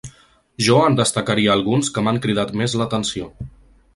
Jo en destacaria alguns que m’han cridat més l’atenció.